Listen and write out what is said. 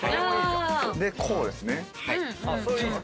でこうですね。